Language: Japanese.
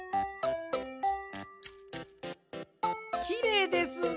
きれいです！